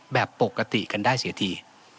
แบบปกติกันได้เสียที